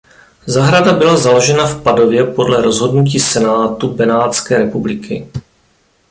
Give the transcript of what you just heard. Zahrada byla založena v Padově podle rozhodnutí Senátu Benátské republiky.